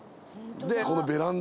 でこのベランダ。